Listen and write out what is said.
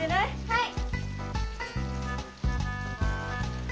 はい！